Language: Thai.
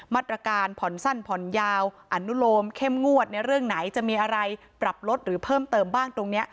มาตรการผ่อนสั้นผ่อนยาวอนุโลมเข้มงวดในเรื่องไหนจะมีอะไรปรับลดหรือเพิ่มเติมบ้างตรงนี้